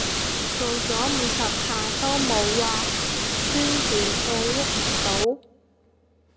做咗五十下都冇話痠軟到郁唔到